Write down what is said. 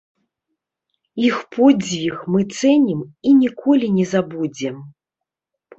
Іх подзвіг мы цэнім і ніколі не забудзем.